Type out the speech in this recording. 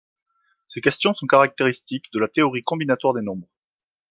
Ces questions sont caractéristiques de la théorie combinatoire des nombres.